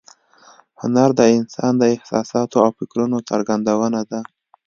هنر د انسان د احساساتو او فکرونو څرګندونه ده